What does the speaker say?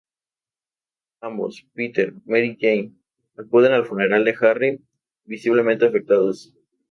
Ambos, Peter y Mary Jane acuden al funeral de Harry, visiblemente afectados.